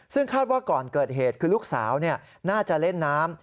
ซึ่งคาดว่าก่อนเกิดเหตุคือลูกสาวน่าจะเล่นน้ำ